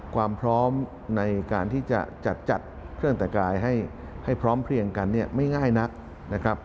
ความพร้อมในการที่จะจัดเครื่องแต่งกายให้พร้อมเพลียงกันเนี่ยไม่ง่ายนักนะครับ